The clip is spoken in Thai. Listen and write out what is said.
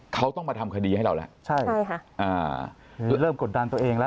เขาต้องมาทำคดีให้เราแล้วใช่ใช่ค่ะอ่าคือเริ่มกดดันตัวเองแล้ว